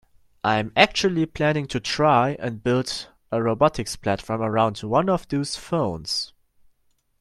I'm actually planning to try and build a robotics platform around one of those phones.